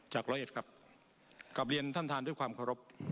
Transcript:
จากครับกับเรียนท่านท่านด้วยความเคารพ